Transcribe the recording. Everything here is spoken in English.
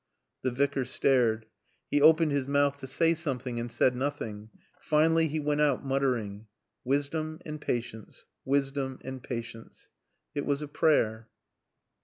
The Vicar stared. He opened his mouth to say something, and said nothing; finally he went out, muttering. "Wisdom and patience. Wisdom and patience." It was a prayer.